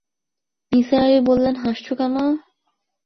নিসার আলি বললেন, হাসছ কেন?